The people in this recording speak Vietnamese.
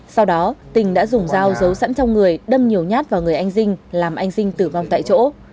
sau đó tình đã dùng dao giấu sẵn trong người đâm nhiều nhát vào người anh dinh làm anh sinh tử vong tại chỗ